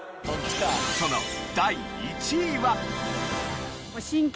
その第１位は。